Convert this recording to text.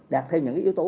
đạt theo những cái yếu tố